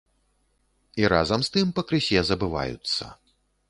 І разам з тым пакрысе забываюцца.